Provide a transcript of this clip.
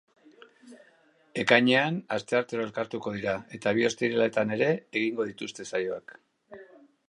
Ekainean, asteartero elkartuko dira, eta bi ostiraletan ere egingo dituzte saioak.